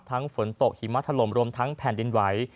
ฝนตกหิมะถล่มรวมทั้งแผ่นดินไหว